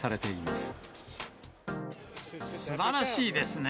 すばらしいですね。